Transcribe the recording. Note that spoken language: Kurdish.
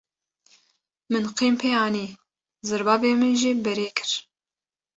Min qîm pê anî; zirbavê min jî berê kir.